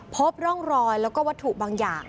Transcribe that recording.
พบร่องรอยแล้วก็วัตถุบางอย่าง